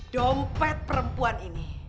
dompet perempuan ini